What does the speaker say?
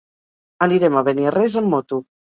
Anirem a Beniarrés amb moto.